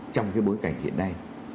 trong cái bối cảnh hiện nay